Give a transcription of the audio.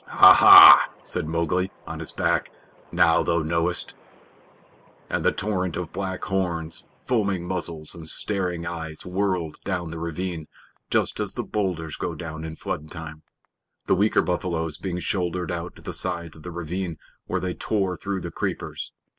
"Ha! Ha!" said Mowgli, on his back. "Now thou knowest!" and the torrent of black horns, foaming muzzles, and staring eyes whirled down the ravine just as boulders go down in floodtime; the weaker buffaloes being shouldered out to the sides of the ravine where they tore through the creepers.